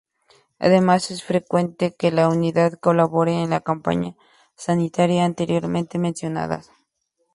Además, es frecuente que la unidad colabore en las campañas sanitarias anteriormente mencionadas.